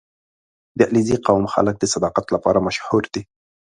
• د علیزي قوم خلک د صداقت لپاره مشهور دي.